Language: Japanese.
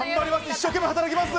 一生懸命働きます。